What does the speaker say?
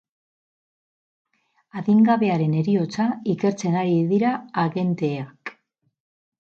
Adingabearen heriotza ikertzen ari dira agenteak.